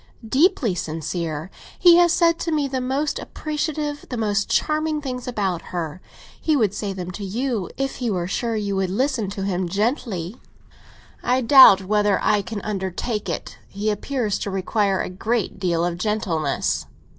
"Deeply sincere. He has said to me the most appreciative, the most charming things about her. He would say them to you, if he were sure you would listen to him—gently." "I doubt whether I can undertake it. He appears to require a great deal of gentleness."